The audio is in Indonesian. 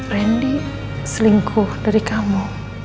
rendy selingkuh dari kamu